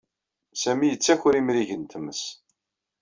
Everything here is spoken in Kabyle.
Sami yettaker imrigen n tmes.